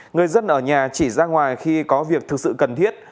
người dân ở nhà chỉ ra ngoài khi có việc thực sự cần thiết